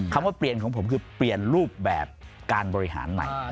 คำว่าเปลี่ยนของผมคือเปลี่ยนรูปแบบการบริหารใหม่